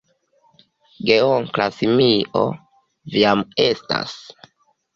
Geonkla simio: "Vi jam estas!"